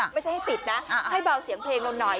ไม่ใช่ให้ปิดนะให้เบาเสียงเพลงเราหน่อย